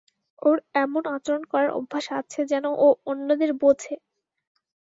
ওর এমন আচরণ করার অভ্যাস আছে যেন ও অন্যদের বোঝে।